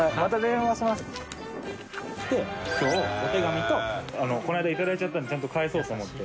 きょうお手紙と海里△いいただいちゃったのでちゃんと返そうと思って。